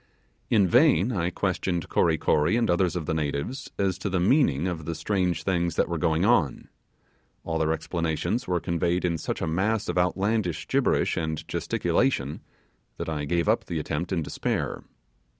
In vain I questioned Kory Kory and others of the natives, as to the meaning of the strange things that were going on; all their explanations were conveyed in such a mass of outlandish gibberish and gesticulation that I gave up the attempt in despair.